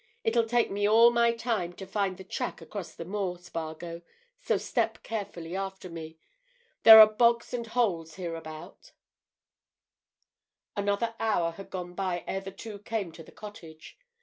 It'll take me all my time to find the track across this moor, Spargo, so step carefully after me—there are bogs and holes hereabouts." Another hour had gone by ere the two came to the cottage.